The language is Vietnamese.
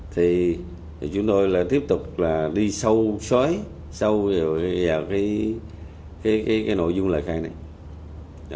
thì chúng tôi là tiếp tục là đi sâu xới sâu vào cái nội dung lời khai này